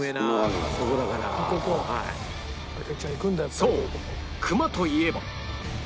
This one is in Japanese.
そうクマといえば